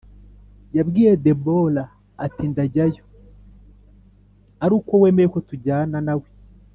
yabwiye Debora ati ndajyayo ari uko wemeye ko tujyana Na we